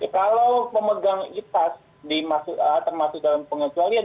kalau pemegang itas termasuk dalam pengisualian